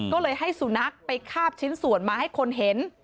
ก็เลยให้สุนัขไปคาบชิ้นส่วนมาให้คนเห็น